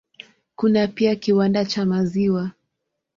Kuna pia kiwanda cha maziwa.